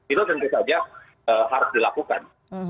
itu tentu saja harus dilakukan